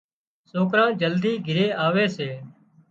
سوڪران جلدي گھري آوي سي